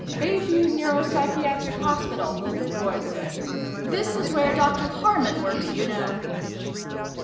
'" "Bayview Neuropsychiatric Hospital," Boyd said. "This is where Dr. Harman works, you know."